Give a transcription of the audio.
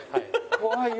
怖いよ。